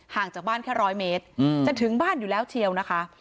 จากบ้านแค่๑๐๐เมตรจะถึงบ้านอยู่แล้วเชียวนะคะ